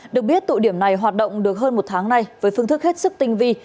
được biết tụ điểm này hoạt động được hơn một tháng nay với phương thức hết sức tinh vi